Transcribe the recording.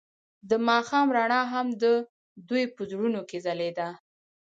د ماښام رڼا هم د دوی په زړونو کې ځلېده.